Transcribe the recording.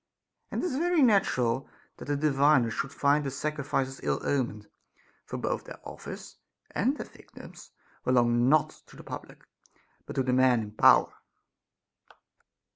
And it is very natural that the diviners should find the sacrifices ill omened ; for both their office and their victims belong not to the public, but to the men in power.